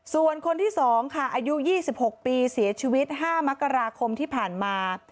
ส่วนคนที่๒ค่ะอายุ๒๖ปีเสียชีวิต๕มกราคมที่ผ่านมา